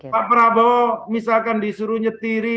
pak prabowo misalkan disuruh nyetiri